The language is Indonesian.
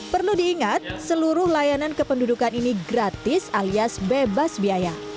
perlu diingat seluruh layanan kependudukan ini gratis alias bebas biaya